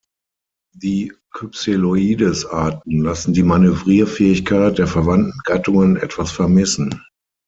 Die "Cypseloides"-Arten lassen die Manövrierfähigkeit der verwandten Gattungen etwas vermissen.